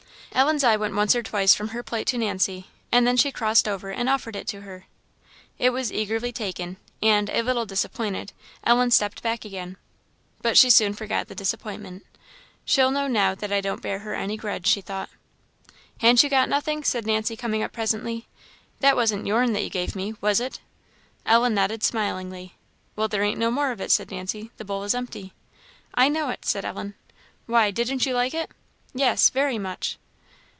Ellen's eye went once or twice from her plate to Nancy, and then she crossed over and offered it to her. It was eagerly taken, and, a little disappointed Ellen stepped back again. But she soon forgot the disappointment. "She'll know now that I don't bear her any grudge," she thought. "Han't you got nothing?" said Nancy, coming up presently; "that wasn't your'n that you gave me was it?" Ellen nodded, smilingly. "Well, there ain't no more of it," said Nancy. "The bowl is empty." "I know it," said Ellen. "Why, didn't you like it?" "Yes very much."